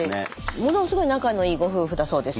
ものすごい仲のいいご夫婦だそうです。